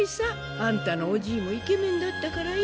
あんたのおじいもイケメンだったからよ